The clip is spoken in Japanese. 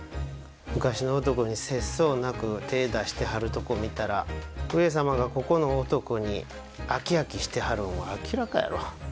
昔の男に節操なく手ぇ出してはるとこ見たら上様がここの男に飽き飽きしてはるんは明らかやろ？